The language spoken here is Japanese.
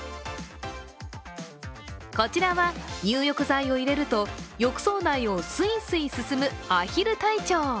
こちらは入浴剤を入れると浴槽内をスイスイ進むアヒル隊長。